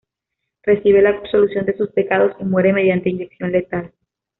Recibe la absolución de sus pecados y muere mediante inyección letal.